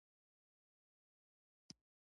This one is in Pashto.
چینایي زایر هیوان تسانګ هند ته راغی.